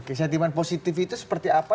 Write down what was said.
oke sentimen positif itu seperti apa